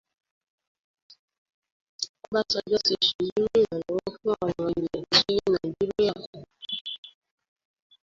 Ọbásanjọ́ ti ṣèlérí ìrànlọ́wọ́ fún àwọn ilẹ̀ tó yí Nàijíríà ká